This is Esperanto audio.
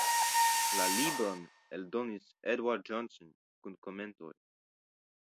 La libron eldonis Eduard Johnson kun komentoj.